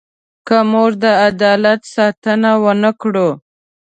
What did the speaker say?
که موږ د عدالت ساتنه ونه کړو.